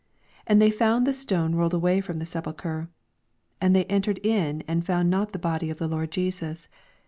2 And they found the stone rolled away from the sepulchre. 3 And they entered in, and found not the body of the Lord Jesus.